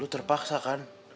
lu terpaksa kan